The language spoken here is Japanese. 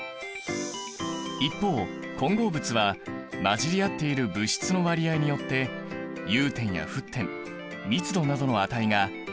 一方混合物は混じり合っている物質の割合によって融点や沸点密度などの値が変化するんだ。